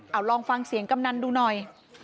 เอาลองฟังเสียงกำนันดูหน่อย